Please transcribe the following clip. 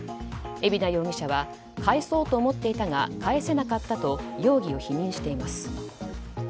海老名容疑者は返そうと思っていたが返せなかったと容疑を否認しています。